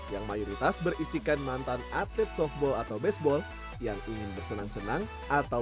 yang mayoritas berisikan mantan atlet softball atau baseball yang ingin bersenang senang atau